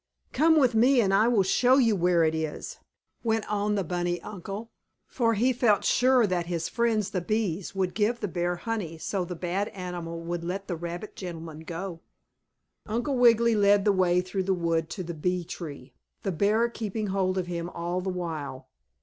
"Come with me and I will show you where it is," went on the bunny uncle, for he felt sure that his friends the bees, would give the bear honey so the bad animal would let the rabbit gentleman go. Uncle Wiggily led the way through the wood to the bee tree, the bear keeping hold of him all the while.